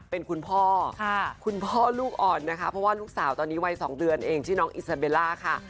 เพราะว่าลูกสาวตอนนี้วัย๒เดือนเองที่น้องอิซาเบลล่าค่ะ